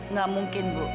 nggak mungkin bu